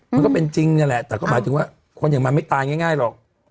มันก็เป็นจริงนั่นแหละแต่ก็หมายถึงว่าคนอย่างมันไม่ตายง่ายหรอก